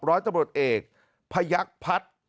ร้อยตำรวจเอกพยักพัท